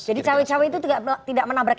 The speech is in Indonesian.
jadi cowok cowok itu tidak menabrak